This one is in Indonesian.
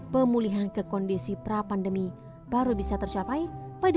pemulihan ke kondisi pra pandemi baru bisa tercapai pada dua ribu dua puluh